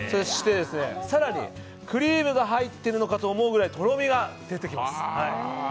更に、クリームが入ってるのかと思うぐらいとろみが出てきます。